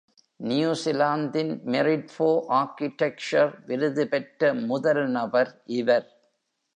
நியுசிலாந்தின் merit for architecture விருது பெற்ற முதல் நபர் இவர்.